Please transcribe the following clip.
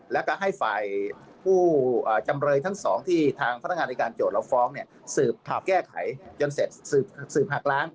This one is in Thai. แล้วก็ให้ฝ่ายผู้จำเลยทั้งสองที่ทางพนักงานในการโจทย์เราฟ้องเนี่ยสืบแก้ไขจนเสร็จสืบหักล้าน